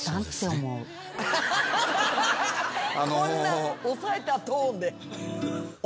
こんな抑えたトーンで。